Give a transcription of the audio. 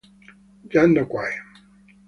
Jan de Quay